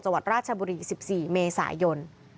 วัดราชบุรี๑๔เมษายน